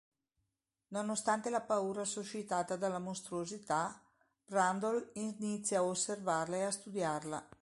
Nonostante la paura suscitata dalla mostruosità, Brundle inizia a osservarla e a studiarla.